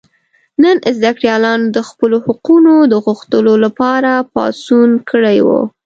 نن زده کړیالانو د خپلو حقونو د غوښتلو لپاره پاڅون کړی و.